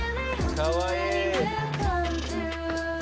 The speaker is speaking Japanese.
・・かわいい！